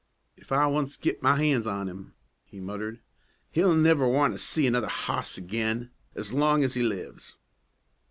"Ef I once git my hands on 'im," he muttered, "he'll never want to see another hoss agin as long as he lives!"